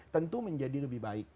tentu menjadi lebih baik